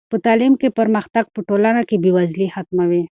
په تعلیم کې پرمختګ په ټولنه کې بې وزلي ختموي.